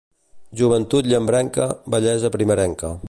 Joventut llambrenca, vellesa primerenca.